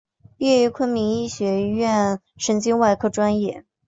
毕业于昆明医学院神经外科专业。